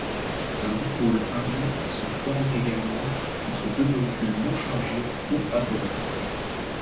Un dipôle induit se forme également entre deux molécules non chargées ou apolaires.